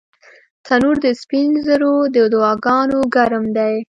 تنور د سپین زرو د دعاګانو ګرم دی